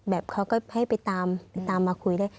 แบบเขาก็ให้ไปตามมาคุยได้